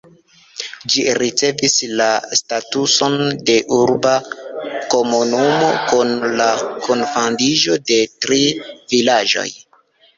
Ĝi ricevis la statuson de urba komunumo kun la kunfandiĝo de tri vilaĝoj.